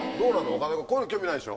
岡田君こういうの興味ないでしょう。